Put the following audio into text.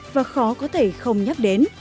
và khó có thể không nhắc đến